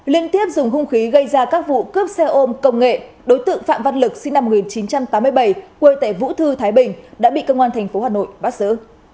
liên tiếp dùng hung khí gây ra các vụ cướp xe ôm công nghệ đối tượng phạm văn lực sinh năm một nghìn chín trăm tám mươi bảy quê tẻ vũ thư thái bình đã bị cơ quan thành phố hà nội bắt giữ